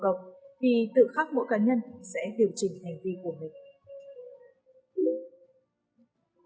khi tự khắc mỗi cá nhân sẽ điều chỉnh hành vi của mình